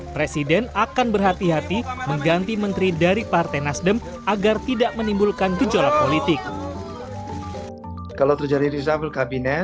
presiden akan berhati hati mengganti menteri dari partai nasdem agar tidak menimbulkan gejolak politik